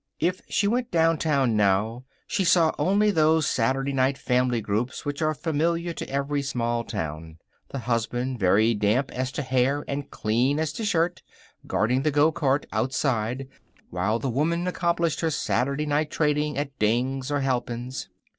If she went downtown now, she saw only those Saturday night family groups which are familiar to every small town. The husband, very damp as to hair and clean as to shirt, guarding the gocart outside while the woman accomplished her Saturday night trading at Ding's or Halpin's.